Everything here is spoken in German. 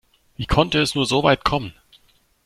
Wie konnte es nur so weit kommen?